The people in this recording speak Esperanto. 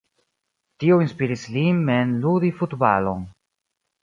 Tio inspiris lin mem ludi futbalon.